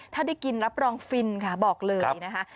ถ้าได้กินรับรองฟินค่ะบอกเลยนะคะ